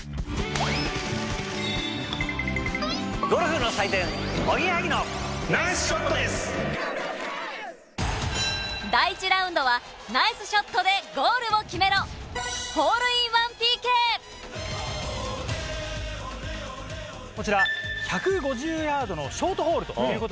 ぐいぐいナイスショットでゴールを決めろこちら１５０ヤードのショートホール。